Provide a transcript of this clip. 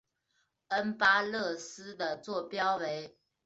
恩巴勒斯的座标为。